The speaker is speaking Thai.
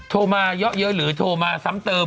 โทรมาเยอะหรือโทรมาซ้ำเติม